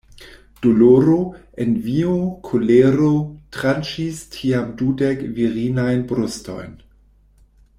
Doloro, envio, kolero, tranĉis tiam dudek virinajn brustojn.